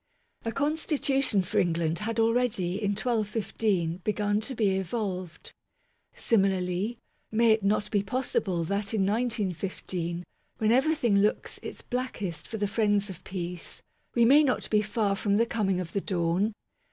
A Constitution for England had already in 1215 begun to be evolved. Similarly, may it not be poss ible that in 1915, when everything looks its blackest for the friends of peace, we may not be far from the coming of the dawn?